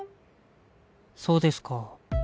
そうですか。